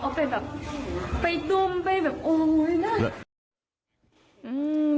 เอาไปแบบไปตุ้มไปแบบโอ๊ยน่ะ